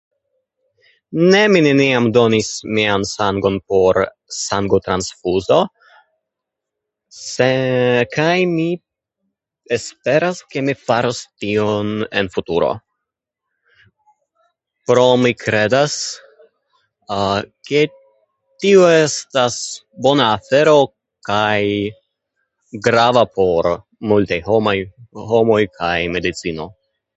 Ne, mi neniam donis mian sangon por sangotransfuzo. Se kaj mi esperas, ke mi faros tion en futuro. Pro mi kredas, a-a ke tio estas bona afero kaj grava por multaj homaj homoj kaj medicino.